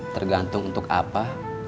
tergantung untuk apa